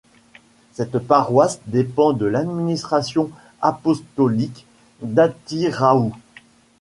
Cette paroisse dépend de l'administration apostolique d'Atyraou.